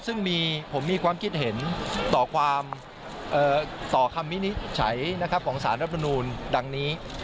ซึ่งผมมีความคิดเห็นต่อความต่อคำวินิจฉัยของสารรัฐมนูลดังนี้